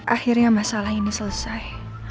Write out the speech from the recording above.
akhirnya masalah ini selesai